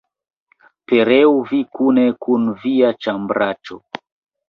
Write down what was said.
Pereu vi kune kun via ĉambraĉo!